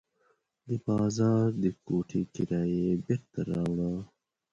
د بازار د کوټې کرایه یې بېرته راوړه.